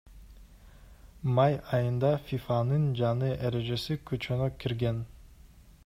Май айында ФИФАнын жаңы эрежеси күчүнө кирген.